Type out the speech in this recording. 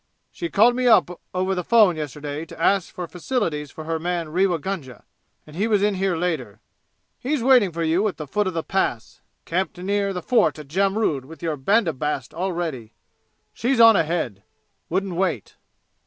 "She called me up over the phone yesterday to ask for facilities for her man Rewa Gunga, and he was in here later. He's waiting for you at the foot of the Pass camped near the fort at Jamrud with your bandobast all ready. She's on ahead wouldn't wait."